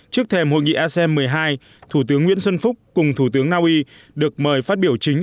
trước thềm hội nghị asem một mươi hai thủ tướng nguyễn xuân phúc cùng thủ tướng naui được mời phát biểu chính